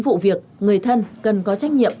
vụ việc người thân cần có trách nhiệm